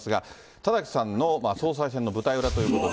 田崎さんの総裁選の舞台裏ということで。